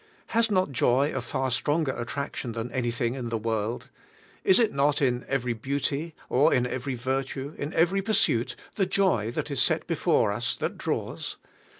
Has not joy a far stronger attraction than anything in the world? Is it not in every beauty, or in every virtue, in every pursuit, the joy that is set before us that draws?